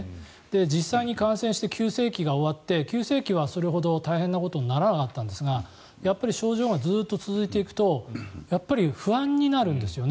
実際に感染して急性期が終わって急性期はそれほど大変なことにはならなかったんですがやっぱり症状がずっと続いていくとやっぱり不安になるんですよね。